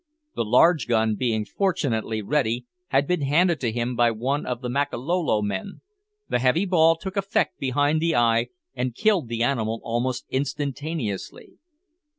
The large gun being fortunately ready, had been handed to him by one of the Makololo men. The heavy ball took effect behind the eye, and killed the animal almost instantaneously.